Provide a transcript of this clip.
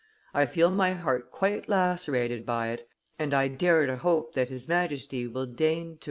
I feel my heart quite lacerated by it, and I dare to hope that his Majesty will deign to.